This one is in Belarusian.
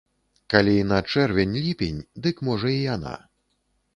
Калі на чэрвень, ліпень, дык можа і яна.